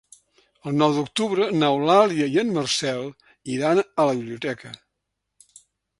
El nou d'octubre n'Eulàlia i en Marcel iran a la biblioteca.